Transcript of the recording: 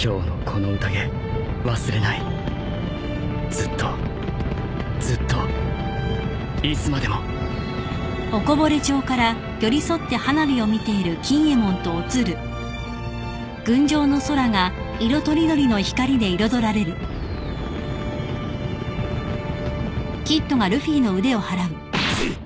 ずっとずっといつまでもゼイッ。